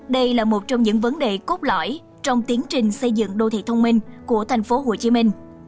đây là một trong những vấn đề cốt lõi trong tiến trình xây dựng đô thị thông minh của thành phố hồ chí minh